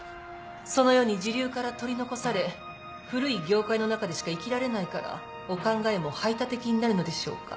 そのように時流から取り残され古い業界の中でしか生きられないからお考えも排他的になるのでしょうか。